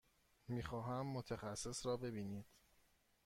می خواهم متخصص را ببینید.